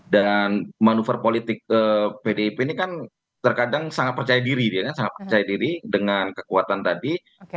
dan manuver politik pdip ini kan terkadang sangat percaya diri sangat percaya diri dengan kekuatan tadi